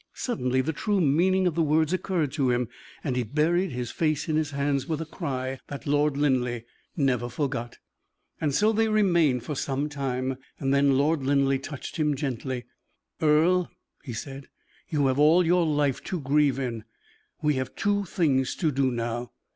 Suddenly the true meaning of the words occurred to him, and he buried his face in his hands with a cry that Lord Linleigh never forgot. So they remained for some time; then Lord Linleigh touched him gently. "Earle," he said, "you have all your life to grieve in. We have two things to do now."